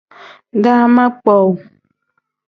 Daama kpowuu.